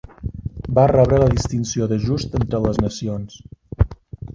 Va rebre la distinció de Just entre les nacions.